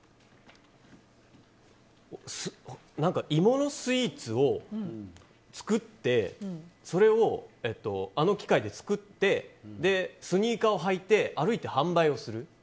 何か芋のスイーツを作ってあの機械で作ってスニーカーを履いて歩いて販売する。